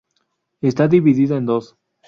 Está dividida en dos.